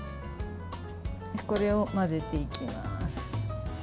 これを混ぜていきます。